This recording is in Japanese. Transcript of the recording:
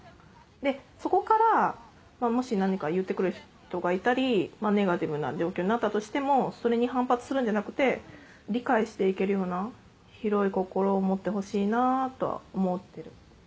でそこからもし何か言ってくる人がいたりネガティブな状況になったとしてもそれに反発するんじゃなくて理解していけるような広い心を持ってほしいなとは思ってる。